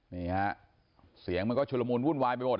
นี่ฮะเสียงมันก็ชุลมูลวุ่นวายไปหมด